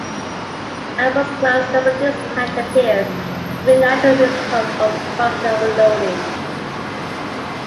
At first glance, double dispatch appears to be a natural result of function overloading.